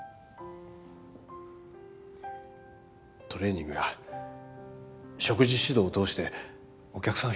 トレーニングや食事指導を通してお客さん